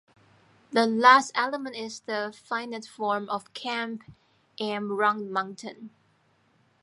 The last element is the finite form of "kamp" m 'round mountain'.